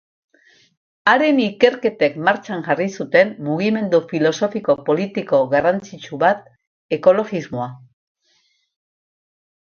Haren ikerketek martxan jarri zuten mugimendu filosofiko-politiko garrantzitsu bat, ekologismoa.